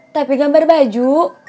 tapi gambar baju